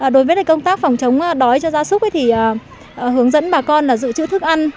đối với công tác phòng chống đói cho gia súc hướng dẫn bà con là dự trữ thức ăn